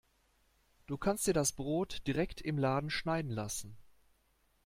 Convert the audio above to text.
Du kannst dir das Brot direkt im Laden schneiden lassen.